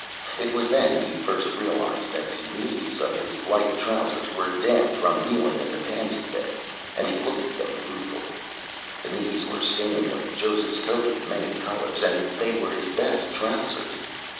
It was then he first realized that the knees of his light trousers were damp from kneeling in the pansy bed, and he looked at them ruefully. The knees were stained like Joseph's coat of many colors, and they were his best trousers.